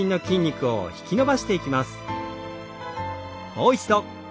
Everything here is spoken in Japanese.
もう一度。